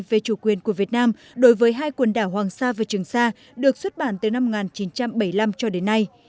về chủ quyền của việt nam đối với hai quần đảo hoàng sa và trường sa được xuất bản từ năm một nghìn chín trăm bảy mươi năm cho đến nay